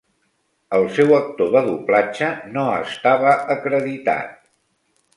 El seu actor de doblatge no estava acreditat.